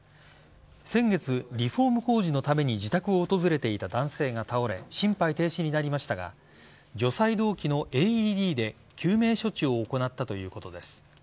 先月、リフォーム工事のために自宅を訪れていた男性が倒れ心肺停止になりましたが除細動器のＡＥＤで救命処置を行ったということです。